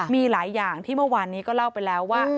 มีหลายอย่างที่เมื่อวานนี้ก็เล่าไปแล้วว่า